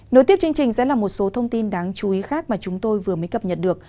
nối tiếp chương trình sẽ là một số thông tin đáng chú ý khác mà chúng tôi vừa mới cập nhật được